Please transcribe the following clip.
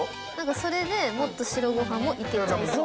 それでもっと白ご飯もいけちゃいそう。